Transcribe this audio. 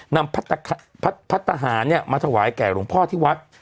นำพัทธาหารเนี่ยมาถวายแก่หลวงพ่อที่วัด